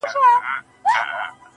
له ما پـرته وبـــل چــــــاتــــــه.